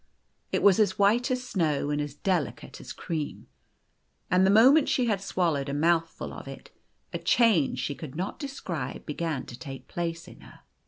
It was as white as snow, and as delicate as cream. And the moment she had swallowed a mouthful of it, a change she could not 7 O describe began to take place in her.